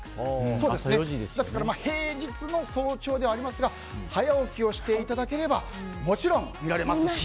平日の早朝ではありますが早起きをしていただければもちろん見られますし。